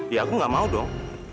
ya aku gak mau dong